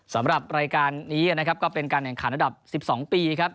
สำหรับรายการนี้นะครับก็เป็นการแข่งขันระดับ๑๒ปีครับ